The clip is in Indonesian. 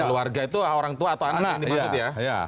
keluarga itu orang tua atau anak yang dimaksud ya